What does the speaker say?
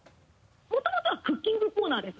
もともとはクッキングコーナーです。